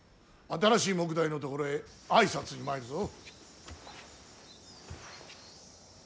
新しい目代のところへ挨拶に参るぞ。